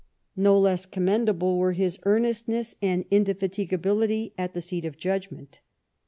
No less commendable were his earnestness and indefatigability at the seat of judgment.